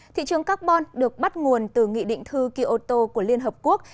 thị trường carbon được bắt nguồn từ nghị định thư kyoto của liên hợp quốc